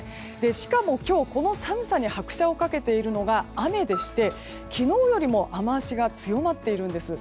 しかも、今日この寒さに拍車を掛けているのが雨で昨日よりも雨脚が強まっているんです。